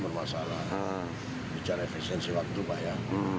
terlihat kalau beberapa minggu kemarin